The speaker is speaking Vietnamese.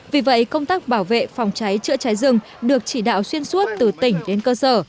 vì vậy công tác bảo vệ phòng cháy chữa cháy rừng được chỉ đạo xuyên suốt từ tỉnh đến cơ sở